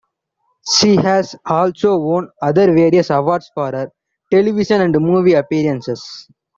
She has also won other various awards for her television and movie appearances.